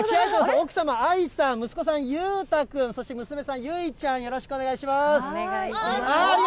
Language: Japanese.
奥様、あいさん、息子さん、ゆうた君、そして娘さん、ゆいちゃん、よろしくお願いします。